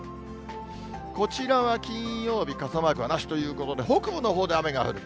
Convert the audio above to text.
こちらは金曜日、傘マークはなしということで、北部のほうで雨が降る。